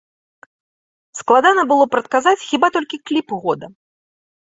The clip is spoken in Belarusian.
Складана было прадказаць хіба толькі кліп года.